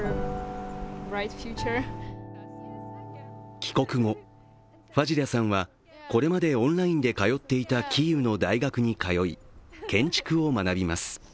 帰国後、ファジリャさんはこれまでオンラインで通っていたキーウの大学に通い、建築を学びます。